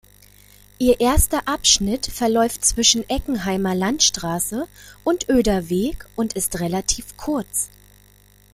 Ihr erster Abschnitt verläuft zwischen Eckenheimer Landstraße und Oeder Weg und ist relativ kurz.